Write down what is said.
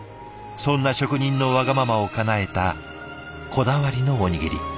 そんな職人のわがままをかなえたこだわりのおにぎり。